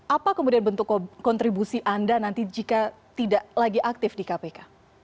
apa kemudian bentuk kontribusi anda nanti jika tidak lagi aktif di kpk